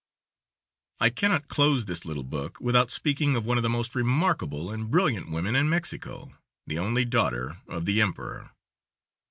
I cannot close this little book without speaking of one of the most remarkable and brilliant women in Mexico, the only daughter of the emperor.